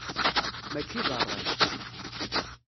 Mačči d rray.